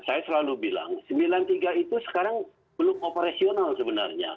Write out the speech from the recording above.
saya selalu bilang sembilan puluh tiga itu sekarang belum operasional sebenarnya